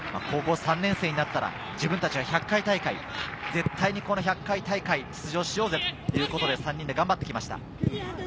高校３年生になったら自分たちは絶対にこの１００回大会出場しようぜということで、３人で頑張ってきました。